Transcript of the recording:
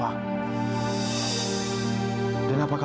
dan apa kamu menyesal memilih aku sebagai ayahnya kak fah